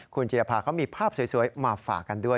คุณจิรภาเขามีภาพสวยมาฝากกันด้วย